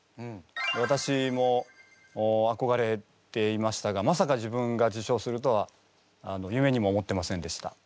わたしもあこがれていましたがまさか自分が受賞するとは夢にも思ってませんでした。